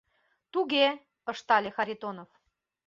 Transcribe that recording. — Туге, — ыштале Харитонов.